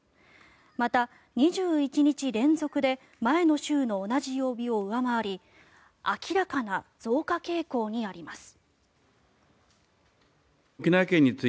また、２１日連続で前の週の同じ曜日を上回り明らかな増加傾向にあります。